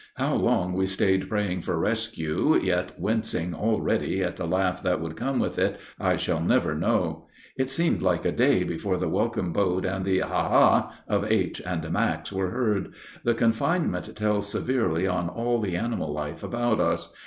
How long we stayed praying for rescue, yet wincing already at the laugh that would come with it, I shall never know. It seemed like a day before the welcome boat and the "Ha, ha!" of H. and Max were heard. The confinement tells severely on all the animal life about us.